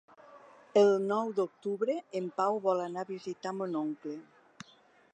El nou d'octubre en Pau vol anar a visitar mon oncle.